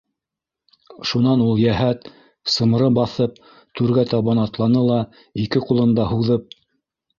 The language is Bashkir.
Шунан ул йәһәт, сымры баҫып, түргә табан атланы ла ике ҡулын да һуҙып: